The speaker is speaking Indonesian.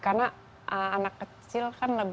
karena anak kecil